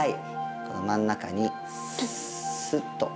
この真ん中にすっと。